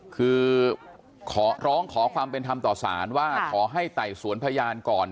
คือขอร้องขอความเป็นธรรมต่อสารว่าขอให้ไต่สวนพยานก่อน